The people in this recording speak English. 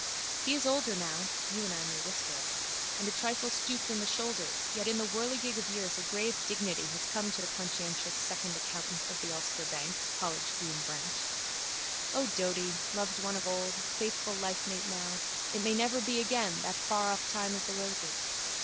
He is older now (you and I may whisper it) and a trifle stooped in the shoulders yet in the whirligig of years a grave dignity has come to the conscientious second accountant of the Ulster bank, College Green branch. O Doady, loved one of old, faithful lifemate now, it may never be again, that faroff time of the roses!